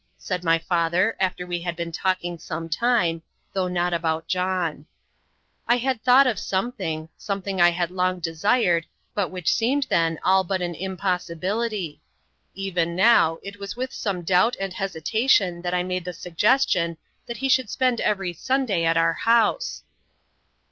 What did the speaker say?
said my father, after we had been talking some time though not about John. I had thought of something something I had long desired, but which seemed then all but an impossibility. Even now it was with some doubt and hesitation that I made the suggestion that he should spend every Sunday at our house.